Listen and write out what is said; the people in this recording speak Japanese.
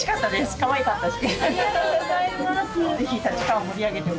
かわいかったし。